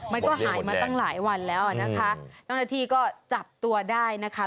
มันก็หายมาตั้งหลายวันแล้วอ่ะนะคะเจ้าหน้าที่ก็จับตัวได้นะคะ